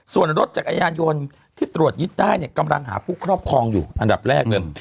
ส่วนรถจักรยานยนต์ที่ตรวจยึดได้เนี่ยกำลังหาผู้ครอบครองอยู่อันดับแรกเลย